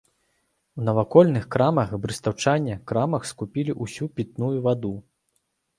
У навакольных крамах брэстаўчане крамах скупілі ўсю пітную ваду.